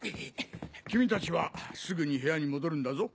君たちはすぐに部屋に戻るんだぞ。